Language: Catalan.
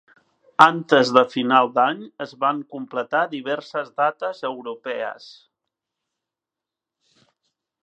Antes de finals d"any es van completar diverses dates europees.